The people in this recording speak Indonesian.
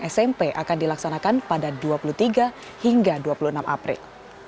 smp akan dilaksanakan pada dua puluh tiga hingga dua puluh enam april